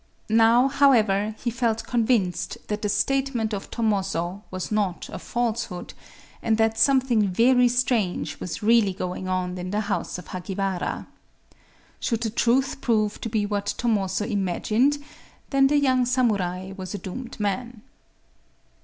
Now, however, he felt convinced that the statement of Tomozō was not a falsehood, and that something very strange was really going on in the house of Hagiwara. Should the truth prove to be what Tomozō imagined, then the young samurai was a doomed man.